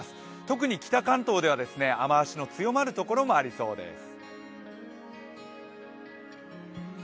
特に北関東では雨足の強まるところもありそうです。